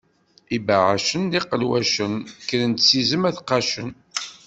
Ibeɛɛacen d iqelwacen, kkren-d s izem ad t-qqacen.